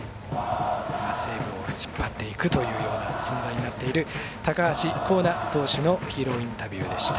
西武を引っ張っていくような存在になっている高橋光成投手のヒーローインタビューでした。